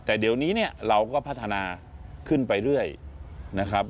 แต่เดี๋ยวนี้เนี่ยเราก็พัฒนาขึ้นไปเรื่อยนะครับ